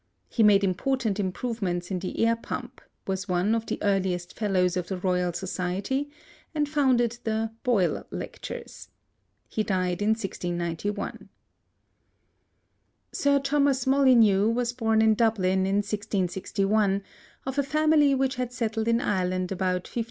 He made important improvements in the air pump, was one of the earliest Fellows of the Royal Society, and founded the "Boyle Lectures." He died in 1691. Sir Thomas Molyneux was born in Dublin, in 1661, of a family which had settled in Ireland about 1560 70.